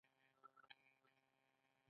قبر سرته دې ولاړ یم غږ دې نه شــــته